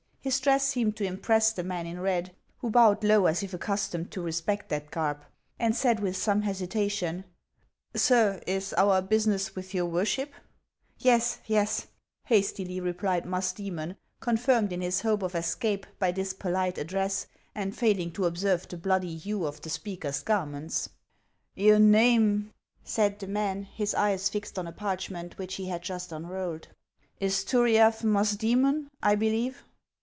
His dress seemed to impress the man in red, who bowed low as if accustomed to respect that garb, and said with some hesitation :" Sir, is our business with jour worship ?"" Yes, yes," hastily replied Musdcemon, confirmed in his hope of escape by this polite address, and failing to observe the bloody hue of the speaker's garments. " Your name," said the man, his eyes fixed on a parch ment which he had just unrolled, " is Turiaf Musdoemon, I believe."